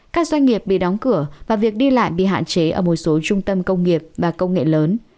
các doanh nghiệp bị đóng cửa và việc đi lại bị hạn chế ở một số trung tâm công nghiệp và công nghệ lớn